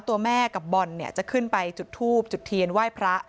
ตัวแม่กับบอลเนี่ยจะขึ้นไปจุดทูบจุดเทียนไหว้พระ